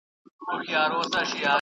منځنۍ پېړۍ د شواليو او پاپانو کيسه ده.